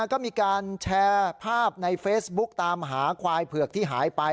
ก็มีการแชร์ภาพในเฟซบุ๊กตามหาควายเผือกที่หายไป